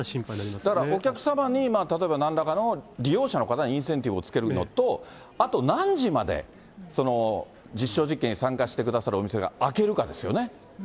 だからお客様に例えばなんらかの利用者の方にインセンティブをつけるのと、あと何時まで実証実験に参加してくださるお店が開けるかですよね。